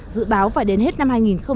dự báo phải đến hết năm hai nghìn hai mươi